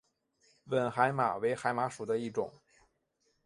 吻海马为海马属的一种。